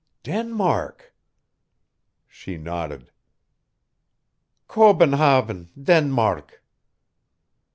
Denmark!" She nodded. "Kobenhavn Danmark!"